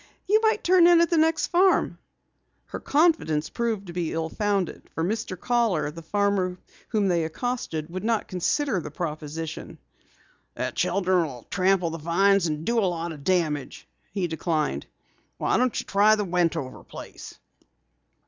"You might turn in at the next farm." Her confidence proved to be ill founded, for Mr. Kahler, the farmer whom they accosted, would not consider the proposition. "The children will trample the vines, and do a lot of damage," he declined. "Why don't you try the Wentover place?"